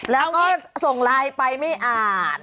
แล้วก็ส่งไลน์ไปไม่อ่าน